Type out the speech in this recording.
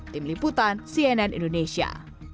tim liputan cnn indonesia